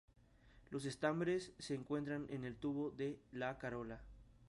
Los estambres se encuentran en el tubo de la corola.